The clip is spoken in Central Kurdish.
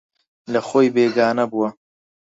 لەخۆی بێگانە بووە